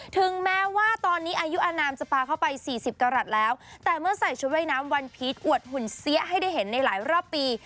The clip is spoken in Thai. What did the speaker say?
ถึงแม้ว่าตอนนี้อายุอนามจะปลาเข้าไปสี่สิบกรัฐแล้วแต่เมื่อใส่ชุดว่ายน้ำวันพีชอวดหุ่นเสี้ยให้ได้เห็นในหลายรอบปี